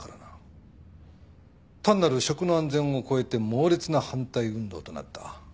単なる食の安全を超えて猛烈な反対運動となった。